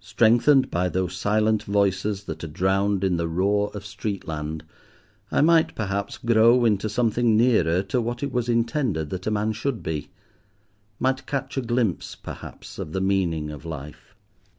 Strengthened by those silent voices that are drowned in the roar of Streetland, I might, perhaps, grow into something nearer to what it was intended that a man should be—might catch a glimpse, perhaps, of the meaning of life.